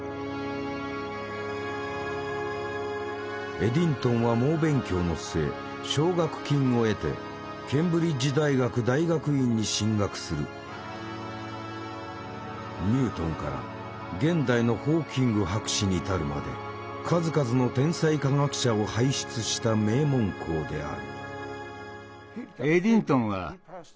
エディントンは猛勉強の末奨学金を得てニュートンから現代のホーキング博士に至るまで数々の天才科学者を輩出した名門校である。